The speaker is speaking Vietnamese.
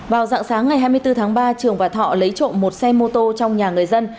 vào dạng sáng ngày hai mươi bốn tháng ba trường và thọ lấy trộm một xe mô tô trong nhà người dân